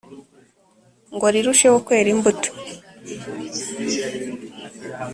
ngo rirusheho kwera imbuto